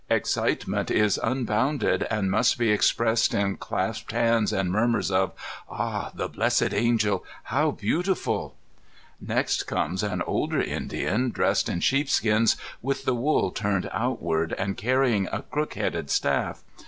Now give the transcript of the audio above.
Excitement is unbounded, and must be expressed in clasped hands and murmurs of ^'Ah! the blessed angel I how beautiful 1" Next comes an older Indian dressed in sheepskins with the wool turned outward, and 273 Z^ CoCifomia ^dbxtB carrying a crook headed staff.